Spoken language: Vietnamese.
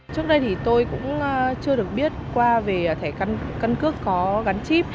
trước đây thì tôi cũng chưa được biết qua về thẻ căn cước có gắn chip